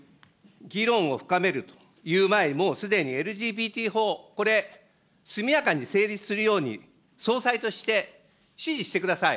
議論を深めるという前にもうすでにＬＧＢＴ法、これ、速やかに成立するように、総裁として指示してください。